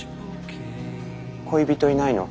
恋人いないの？